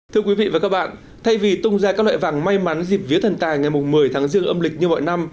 thưa quý vị và các bạn thay vì tung ra các loại vàng may mắn dịp vía thần tài ngày một mươi tháng riêng âm lịch như mọi năm